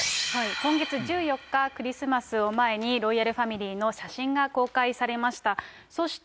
今月１４日、クリスマスを前にロイヤルファミリーの写真が公開されました。